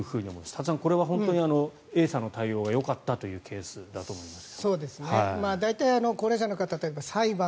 多田さんこれは本当にＡさんの対応がよかったというケースだと思います。